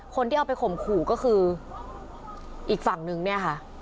คนที่เอาไปข่มขู่ก็คืออีกฝั่งนึงเนี่ยค่ะ